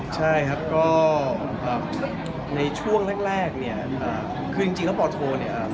ใช่ครับก็ในช่วงแรกเนี่ยคือจริงแล้วปโทเนี่ย